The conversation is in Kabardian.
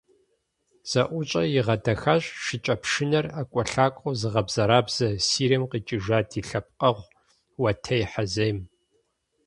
ЗэӀущӀэр игъэдэхащ шыкӀэпшынэр ӀэкӀуэлъакӀуэу зыгъэбзэрабзэ, Сирием къикӏыжа ди лъэпкъэгъу - Уэтей Хьэзем.